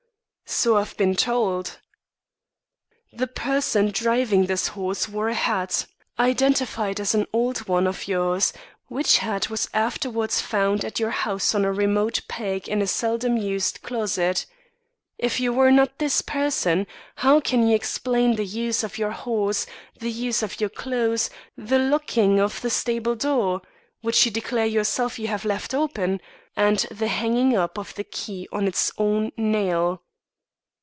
"So I've been told." "The person driving this horse wore a hat, identified as an old one of yours, which hat was afterwards found at your house on a remote peg in a seldom used closet. If you were not this person, how can you explain the use of your horse, the use of your clothes, the locking of the stable door which you declare yourself to have left open and the hanging up of the key on its own nail?"